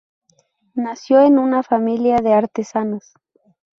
Nació en una familia de artesanos.